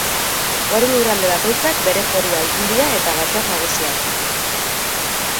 Foru lurralde bakoitzak bere Foru Aldundia eta Batzar Nagusiak ditu.